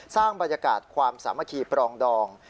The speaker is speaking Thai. สร้างบรรยากาศความสามัคคีปรองดอง